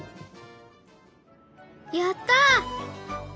やった！